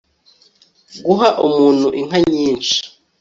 guha umuntu inka nyinshi